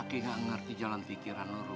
aki gak ngerti jalan pikiran rom